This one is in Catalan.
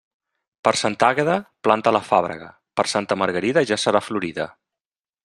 Per Santa Àgueda, planta l'alfàbrega; per Santa Margarida, ja serà florida.